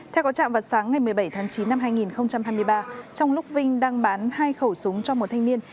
theo có trạm vào sáng ngày một mươi bảy tháng chín năm hai nghìn hai mươi ba trong lúc vinh đang bán hai khẩu súng cho một thanh niên